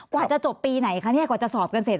กว่าจะจบปีไหนคะเนี่ยกว่าจะสอบกันเสร็จ